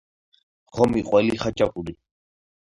ღომი ყველი ხაჭაპური